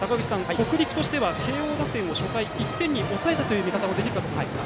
北陸としては慶応打線を初回、１点に抑えたという見方もできるかと思いますが。